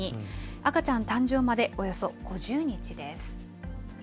赤ちゃん誕生までおよそ５０日です。